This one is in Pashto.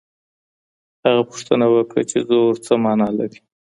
هغه پوښتنه وکړه چي زور څه مانا لري.